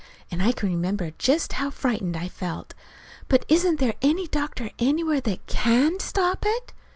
And I can remember just how frightened I felt. "But isn't there any doctor anywhere that can stop it?"